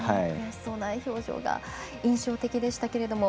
悔しそうな表情が印象的でしたが。